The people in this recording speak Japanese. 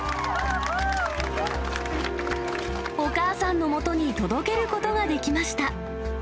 お母さんのもとに届けることができました。